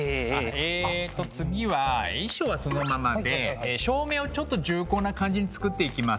えっと次は衣装はそのままで照明をちょっと重厚な感じに作っていきます。